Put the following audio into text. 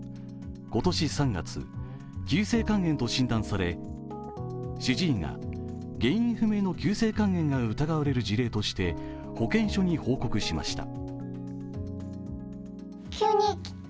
今年３月、急性肝炎と診断され主治医が、原因不明の急性肝炎が疑われる事例として保健所に報告しました。